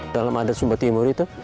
dalam adat sumba timur itu